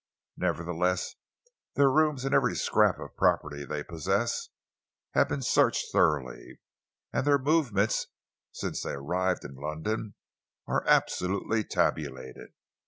Nevertheless, their rooms and every scrap of property they possess have been searched thoroughly, and their movements since they arrived in London are absolutely tabulated.